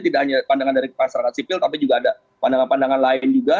tidak hanya pandangan dari masyarakat sipil tapi juga ada pandangan pandangan lain juga